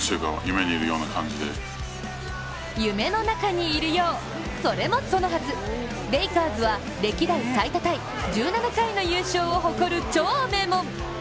夢の中にいるよう、それもそのはず、レイカーズは歴代最多タイ、１７回の優勝を誇る超名門。